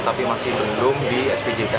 jadi belum di spj kan